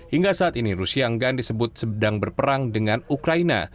hingga saat ini rusia enggak disebut sedang berperang dengan ukraina